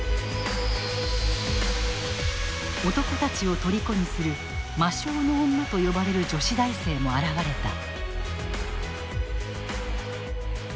男たちを虜にする魔性の女と呼ばれる女子大生も現れた。